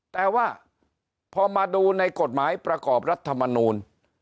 แต่ว่าพอมาดูในกฎหมายประกอบรัฐมนูล